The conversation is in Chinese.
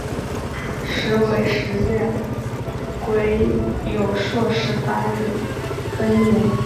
时为十月癸酉朔十八日庚寅。